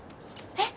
えっ？